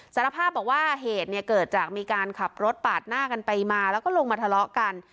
สารภาพบอกว่าเหตุเนี่ยเกิดจากมีการขับรถปาดหน้ากันไปมาแล้วก็ลงมาทะเลาะกัน